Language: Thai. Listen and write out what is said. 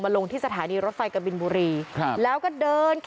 มาลงที่สถานีรถไฟกะบินบุรี